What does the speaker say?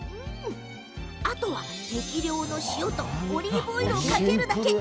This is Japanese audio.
あとは、適量の塩とオリーブオイルをかけるだけ。